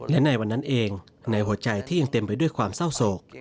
และในวันนั้นเองในหัวใจที่ยังเต็มไปด้วยความเศร้าโศก